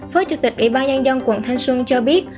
phó chủ tịch ủy ban nhân dân quận thanh xuân cho biết